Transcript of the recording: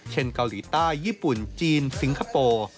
เกาหลีใต้ญี่ปุ่นจีนสิงคโปร์